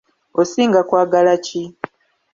Osinga kwagala ki?